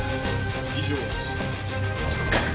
「以上です」